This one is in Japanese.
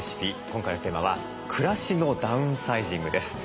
今回のテーマは「暮らしのダウンサイジング」です。